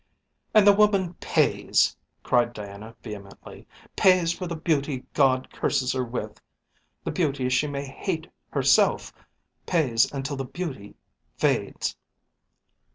"And the woman pays," cried Diana vehemently. "Pays for the beauty God curses her with the beauty she may hate herself; pays until the beauty fades.